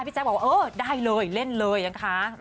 พี่แจ๊กบอกว่าเออได้เลยเล่นเลยนะคะ